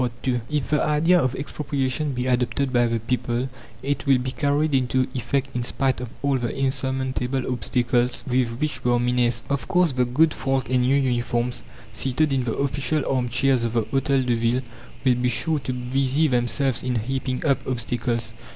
II If the idea of expropriation be adopted by the people it will be carried into effect in spite of all the "insurmountable" obstacles with which we are menaced. Of course, the good folk in new uniforms, seated in the official arm chairs of the Hôtel de Ville, will be sure to busy themselves in heaping up obstacles.